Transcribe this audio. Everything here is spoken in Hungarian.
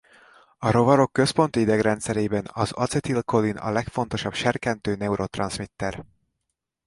A rovarok központi idegrendszerében az acetil-kolin a legfontosabb serkentő neurotranszmitter.